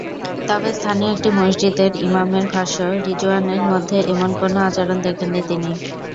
তবে স্থানীয় একটি মসজিদের ইমামের ভাষ্য, রিজওয়ানের মধ্যে এমন কোনো আচরণ দেখেননি তিনি।